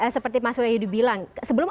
seperti mas wahyudi bilang sebelum